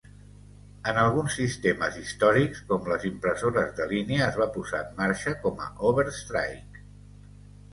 En alguns sistemes històrics, com les impressores de línia, es va posar en marxa com a "overstrike".